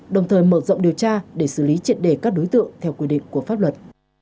đồng thời mở rộng điều tra để xử lý triệt đề các đối tượng theo quy định của pháp luật